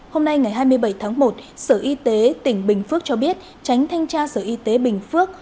hôm nay ngày hai mươi bảy tháng một sở y tế tỉnh bình phước cho biết tránh thanh tra sở y tế bình phước